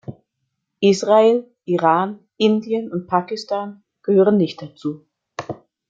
Israel, Iran, Indien und Pakistan gehören nicht dazu.